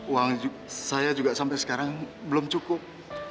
uang saya juga sampai sekarang belum cukup